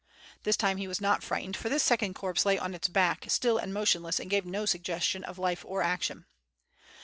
This time he was not frightened, for this second corpse lay on its back, still and motionless, and gave no suggestion of life or action.